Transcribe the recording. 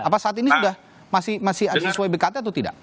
apa saat ini sudah masih sesuai bkt atau tidak